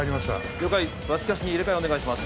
了解バスキャスに入れ替えお願いします